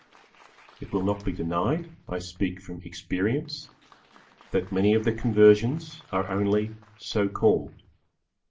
It will not be denied, I speak from experience, that many of the conversions are only so called.